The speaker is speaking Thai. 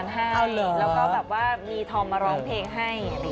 พอมาร้องเพลงให้เป็นอย่างนี้